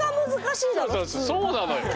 そうなのよ。